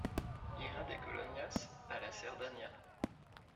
Irá de colonias a la Cerdanya.